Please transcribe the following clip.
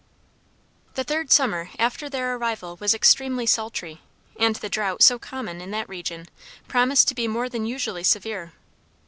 The third summer after their arrival was extremely sultry, and the drought so common in that region, promised to be more than usually severe.